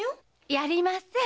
やりません！